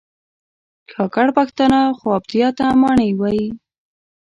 کاکړ پښتانه خوابدیا ته ماڼی وایي